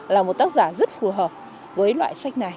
là một tác giả rất phù hợp với loại sách này